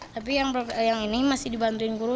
tapi yang ini masih dibantuin guru